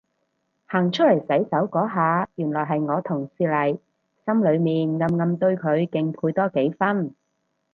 行出嚟洗手嗰下原來係我同事嚟，心裏面暗暗對佢敬佩多幾分